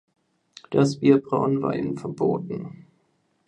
Das Bierbrauen war ihnen verboten.